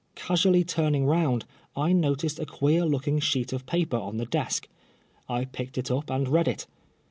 Casually turning round, I noticed a queer looking sheet of paper on the desk. I picked it up and read it.